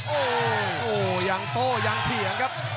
โอ้โหยังโต้ยังเถียงครับ